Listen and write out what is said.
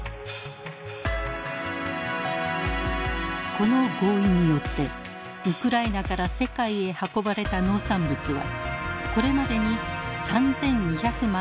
この合意によってウクライナから世界へ運ばれた農産物はこれまでに３，２００万トン以上。